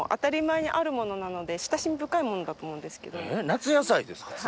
夏野菜ですか？